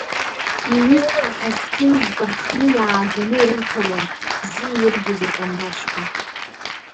Иҩызцәа аҳаскьын жәпа рхны иааганы ирырҭалон, бзиа ирбоз ркамбашьқәа.